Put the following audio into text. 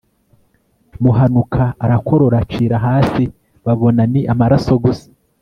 muhanuka arakorora acira hasi babona ni amaraso gusa